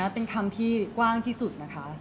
เป็นคำที่กว้างที่สุดนะคะ